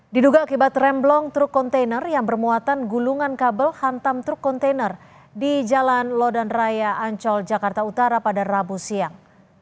diduga akibat remblong truk kontainer yang bermuatan gulungan kabel hantam truk kontainer di jalan lodan raya ancol jakarta utara pada rabu siang